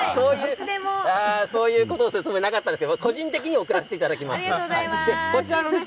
そういうことをするつもりはなかったんですけど個人的に送らせていただきます。